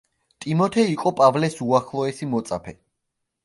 ტიმოთე იყო პავლეს უახლოესი მოწაფე.